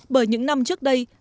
bởi những năm trước đây